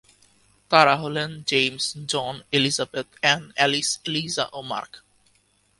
তারা হলেন James, John, Elizabeth, Anne, Alice, Eliza, ও মার্ক।